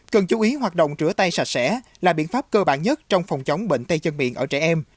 cần chú ý hoạt động rửa tay sạch sẽ là biện pháp cơ bản nhất trong phòng chống bệnh tay chân miệng ở trẻ em